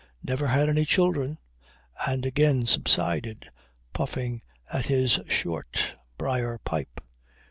Never had any children," and again subsided, puffing at his short briar pipe.